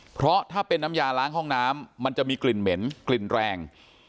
เพราะถ้าเป็นน้ำยาล้างห้องน้ำมันจะมีกลิ่นเหม็นกลิ่นแรง